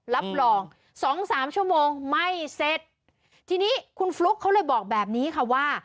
รับรองสองสามชั่วโมงไม่เสร็จทีนี้คุณฟลุ๊กเขาเลยบอกแบบนี้ค่ะว่า